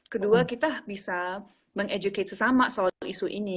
kedua kita bisa meng educate sesama soal isu ini